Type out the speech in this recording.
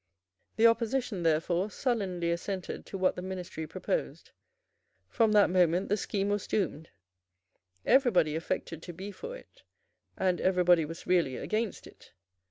The opposition, therefore, sullenly assented to what the ministry proposed. From that moment the scheme was doomed. Everybody affected to be for it; and everybody was really against it.